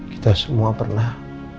kita semua pernah